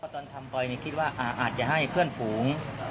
ตอนทำบ่อยคิดว่าอาจจะให้เพื่อนฝูง